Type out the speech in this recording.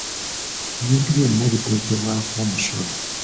Ebintu byonna biteekebwako omusolo.